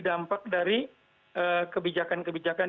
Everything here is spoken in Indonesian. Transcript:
dampak dari kebijakan kebijakan